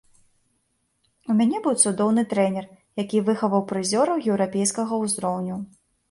У мяне быў цудоўны трэнер, які выхаваў прызёраў еўрапейскага ўзроўню.